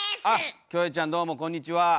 あっキョエちゃんどうもこんにちは。